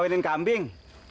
selamat siang bang